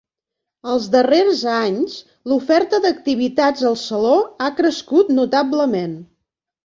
Els darrers anys l'oferta d'activitats al Saló ha crescut notablement.